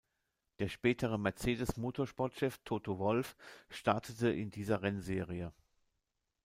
Der spätere Mercedes-Motorsportchef Toto Wolff startete in dieser Rennserie.